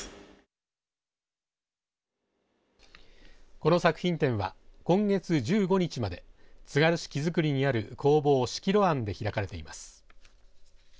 この作品展は今月１５日までつがる市木造にある工房しきろ庵で開かれています。